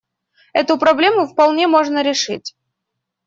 Эту проблему вполне можно решить.